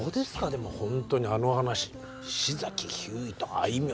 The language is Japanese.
でも本当にあの話石崎ひゅーいとあいみょ